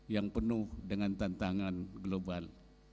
yang penuh dengan tantangan global